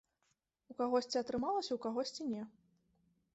У кагосьці атрымалася, у кагосьці не.